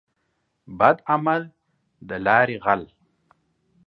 بد عمل دلاري غل.